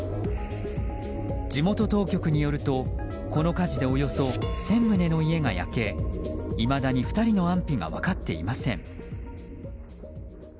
地元当局によると、この火事でおよそ１０００棟の家が焼けいまだに２人の安否が分かっていません。